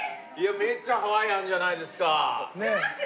めっちゃハワイアンじゃないですか。待って。